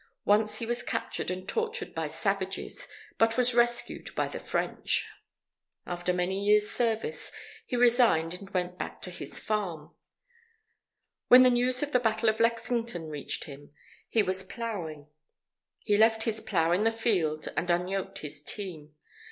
Once he was captured and tortured by savages, but was rescued by the French. After many years' service, he resigned and went back to his farm. When the news of the Battle of Lexington reached him, he was ploughing. He left his plough in the field, and unyoked his team.